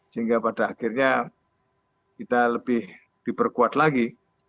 sehingga pada akhirnya kita lebih diperkuat lagi